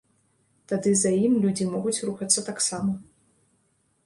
Тады за ім людзі могуць рухацца таксама.